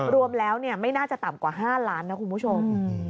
รวมแล้วไม่น่าจะต่ำกว่า๕ล้านนะคุณผู้ชม